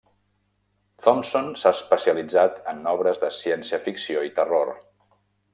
Thompson s'ha especialitzat en obres de ciència-ficció i de terror.